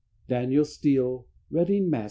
DANIEL STEELE. _Reading, Mass.